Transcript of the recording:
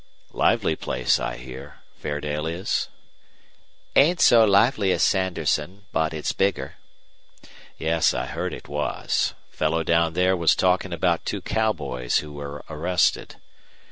"Lively place, I hear Fairdale is?" "Ain't so lively as Sanderson, but it's bigger." "Yes, I heard it was. Fellow down there was talking about two cowboys who were arrested."